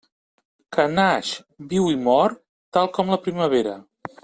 Que naix, viu i mor tal com la primavera.